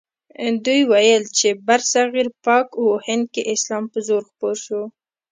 دوی ویل چې برصغیر پاک و هند کې اسلام په زور خپور شو.